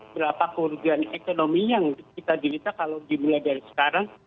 berapa kerugian ekonomi yang kita delita kalau dimulai dari sekarang